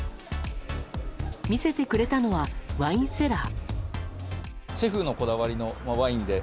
見せてくれたのはワインセラー。